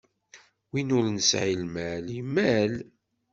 Win ur nesɛi lmal, imal.